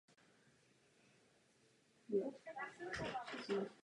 Kam až vést hranice tohoto evropského projektu?